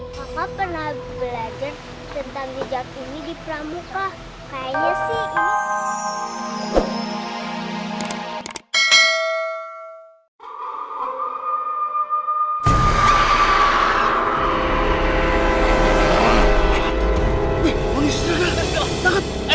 papa pernah belajar tentang bijak ini di pramuka